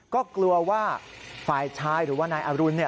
ก็กลัวว่าฝ่ายชายหรือว่านายอรุณ